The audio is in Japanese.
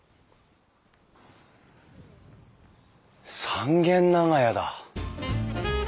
三軒長屋だ。